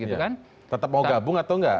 tetap mau gabung atau enggak